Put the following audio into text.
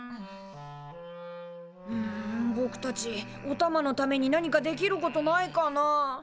んぼくたちおたまのためになにかできることないかなあ？